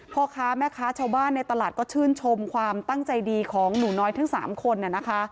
พ่อค้าแม่ค้าชาวบ้านในตลาดก็ชื่นชมความตั้งใจดีของหนูน้อยทั้ง๓คนนะคะ